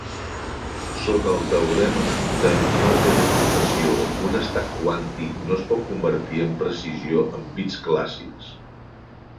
Sota el teorema de no-teleportació, un estat quàntic no es pot convertir amb precisió en bits clàssics.